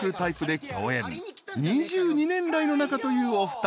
［２２年来の仲というお二人］